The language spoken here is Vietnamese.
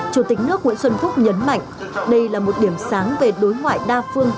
chủ tịch nước nguyễn xuân phúc nhấn mạnh đây là một điểm sáng về đối ngoại đa phương